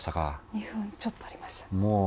２分ちょっとありました。